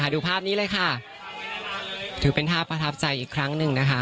ดูภาพนี้เลยค่ะถือเป็นภาพประทับใจอีกครั้ง